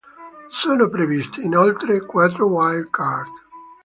Sono previste inoltre quattro wild card.